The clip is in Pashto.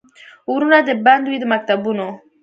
ورونه دي بند وي د مکتبونو